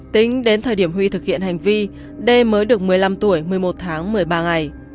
tính đến thời điểm huy thực hiện hành vi đê mới được một mươi năm tuổi một mươi một tháng một mươi ba ngày